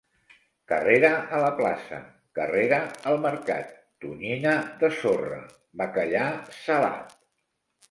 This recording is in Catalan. Carrera a la plaça, carrera al mercat, tonyina de sorra, bacallà salat.